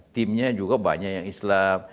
timnya juga banyak yang islam